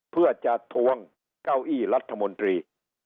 เพื่อจะทวงเก้าอี้รัฐมนตรี